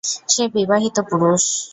সে বিবাহিত পুরুষ!